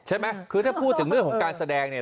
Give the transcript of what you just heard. ใช่ไหมคือถ้าพูดถึงเรื่องของการแสดงเนี่ย